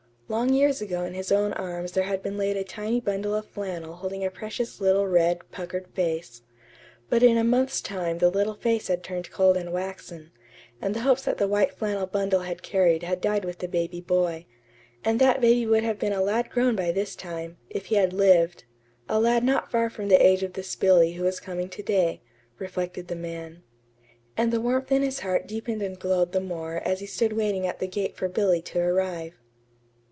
Long years ago in his own arms there had been laid a tiny bundle of flannel holding a precious little red, puckered face. But in a month's time the little face had turned cold and waxen, and the hopes that the white flannel bundle had carried had died with the baby boy; and that baby would have been a lad grown by this time, if he had lived a lad not far from the age of this Billy who was coming to day, reflected the man. And the warmth in his heart deepened and glowed the more as he stood waiting at the gate for Billy to arrive.